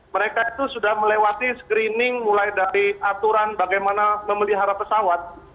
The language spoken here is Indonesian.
mereka itu sudah melewati screening mulai dari aturan bagaimana memelihara pesawat